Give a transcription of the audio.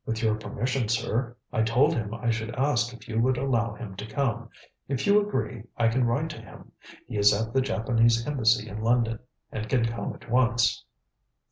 "With your permission, sir. I told him I should ask if you would allow him to come. If you agree, I can write to him; he is at the Japanese Embassy in London, and can come at once."